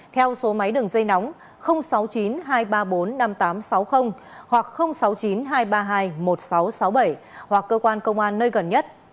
theo số máy đường dây nóng sáu mươi chín hai trăm ba mươi bốn năm nghìn tám trăm sáu mươi hoặc sáu mươi chín hai trăm ba mươi hai một nghìn sáu trăm sáu mươi bảy hoặc cơ quan công an nơi gần nhất